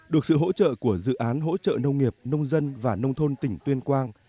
được sự hỗ trợ của dự án hỗ trợ nông nghiệp nông dân và nông thôn tỉnh tuyên quang